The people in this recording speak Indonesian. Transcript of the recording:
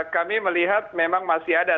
kami melihat memang masih ada